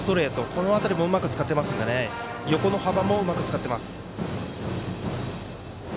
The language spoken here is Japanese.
この辺りもうまく使ってますので横の幅もうまく使っています。